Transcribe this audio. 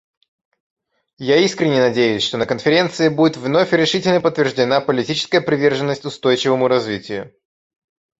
Я искренне надеюсь, что на Конференции будет вновь решительно подтверждена политическая приверженность устойчивому развитию.